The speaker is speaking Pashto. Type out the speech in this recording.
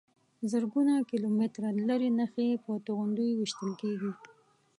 زرګونه کیلومتره لرې نښې په توغندیو ویشتل کېږي.